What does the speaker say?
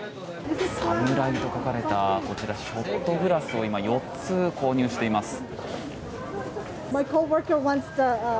侍と書かれたこちら、ショットグラスを今、４つ購入しています。